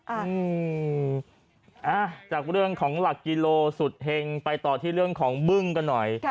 อ่าจากเรื่องของหลักกิโลสุดเห็งไปต่อที่เรื่องของบึ้งกันหน่อย